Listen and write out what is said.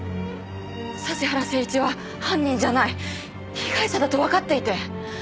桟原誠一は犯人じゃない被害者だとわかっていて。